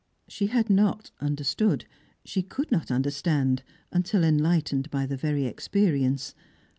She had not understood; she could not understand, until enlightened by the very experience.